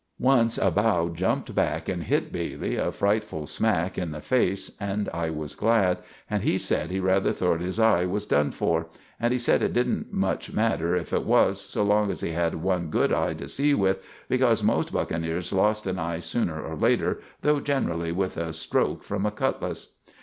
Once a bough jumped back and hit Bailey a friteful smack in the face, and I was glad, and he sed he rather thort his eye was done for; and he sed it didn't much matter if it was, so long as he had one good eye to see with, becorse most buckeneers lost an eye sooner or later, though generally with a stroak from a cutlass.